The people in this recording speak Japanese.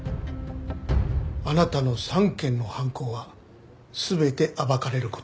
あなたの３件の犯行は全て暴かれる事でしょう。